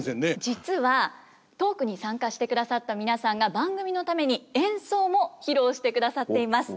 実はトークに参加してくださった皆さんが番組のために演奏も披露してくださっています。